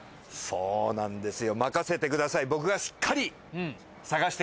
そうなんですよ。